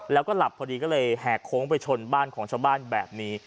แล้วก็หลับพอดีก็เลยแหกโค้งไปชนบ้านของชาวบ้านแบบนี้